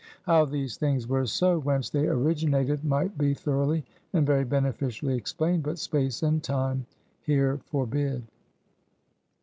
How these things were so, whence they originated, might be thoroughly and very beneficially explained; but space and time here forbid.